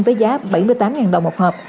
với giá bảy mươi tám đồng một hộp